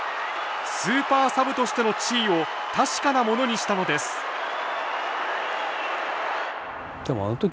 スーパーサブとしての地位を確かなものにしたのですほら